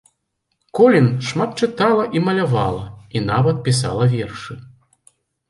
Колін шмат чытала і малявала, і нават пісала вершы.